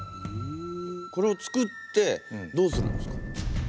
これをつくってどうするんですか？